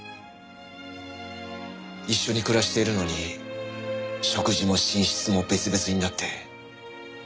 一緒に暮らしているのに食事も寝室も別々になって。